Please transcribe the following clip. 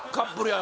や